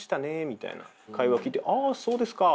みたいな会話聞いてあそうですか。